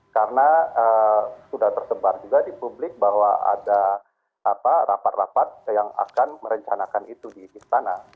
karena sudah tersebar juga di publik bahwa ada rapat rapat yang akan merencanakan itu di istana